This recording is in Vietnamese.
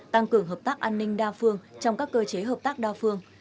tăng cường hợp tác an ninh đa phương trong các cơ chế hợp tác đa phương